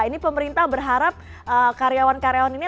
ini pemerintah berharap karyawan karyawan ini atau masyarakatnya